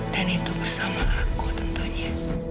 dan itu bersama aku tentunya